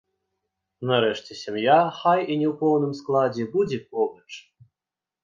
Нарэшце сям'я, хай і не ў поўным складзе, будзе побач.